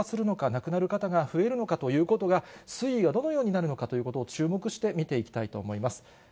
亡くなる方が増えるのかということが、推移がどのようになるのかということを注目して見ていきたいと思います。